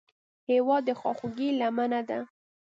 هېواد د خواخوږۍ لمنه ده.